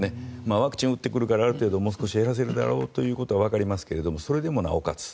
ワクチンを打ってくるからある程度減らせるということはわかりますがそれでもなおかつ